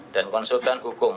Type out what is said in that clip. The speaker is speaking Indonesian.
dan konsultan hukum